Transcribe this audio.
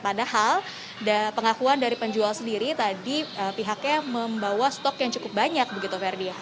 padahal pengakuan dari penjual sendiri tadi pihaknya membawa stok yang cukup banyak begitu ferdi